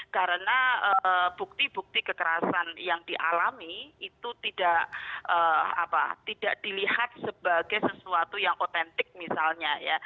karena bukti bukti kekerasan yang dialami itu tidak dilihat sebagai sesuatu yang otentik misalnya ya